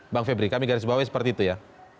bang febri kami garis bawahnya seperti itu ya